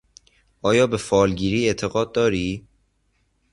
آیا به فالگیری اعتقاد داری؟